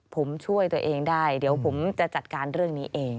ผมช่วยตัวเองได้เดี๋ยวผมจะจัดการเรื่องนี้เอง